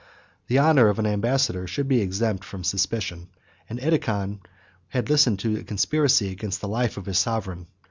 1191 The honor of an ambassador should be exempt from suspicion; and Edecon had listened to a conspiracy against the life of his sovereign.